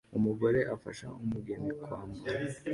Umugore afasha umugeni kwambara